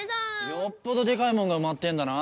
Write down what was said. よっぽどでかいもんがうまってんだな。